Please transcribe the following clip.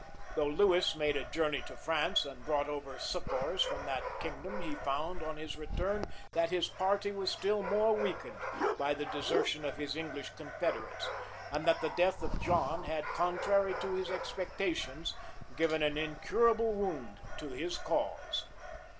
[] Though Lewis made a journey to France, and brought over succors from that kingdom [] he found, on his return, that his party was still more weakened by the desertion of his English confederates, and that the death of John had, contrary to his expectations, given an incurable wound to his cause.